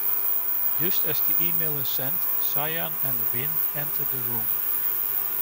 Just as the email is sent, Cyan and Wynn enter the room.